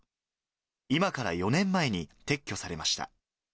今から４年前に撤去されました。